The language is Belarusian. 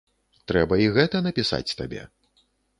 Трэба і гэта напісаць табе.